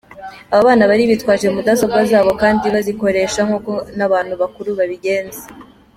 Aba bana bari bitwaje mudasobwa zabo kandi bazikoresha, nk’uko n’abantu bakuru babigenzaga.